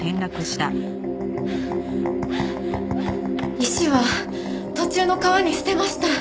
石は途中の川に捨てました。